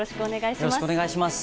よろしくお願いします。